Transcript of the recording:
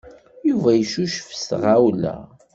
Yuba yeccucef s tɣawla.